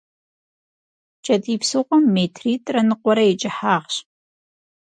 Кӏэтӏий псыгъуэм метритӏрэ ныкъуэрэ и кӏыхьагъщ.